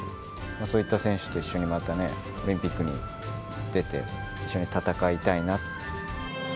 そういった選手と一緒にまたね、オリンピックに出て、一緒に戦いたいなって。